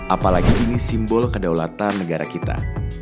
apalagi ini simbol kedaulatan negara kita